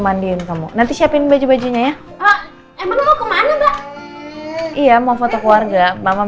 mandiin kamu nanti siapin baju bajunya ya emang aku kemana mbak iya mau foto keluarga mama